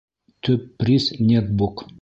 Төп приз — нетбук.